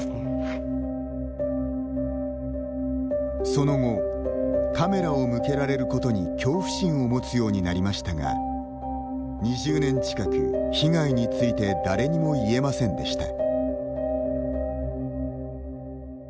その後カメラを向けられることに恐怖心を持つようになりましたが２０年近く、被害について誰にも言えませんでした。